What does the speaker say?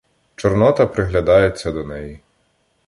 Чорнота приглядається до неї.